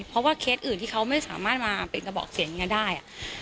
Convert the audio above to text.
เพราะว่าเคสอื่นที่เขาไม่สามารถมาเป็นกระบอกเสียงอย่างนี้ได้